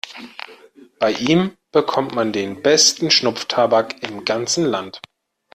Bei ihm bekommt man den besten Schnupftabak im ganzen Land.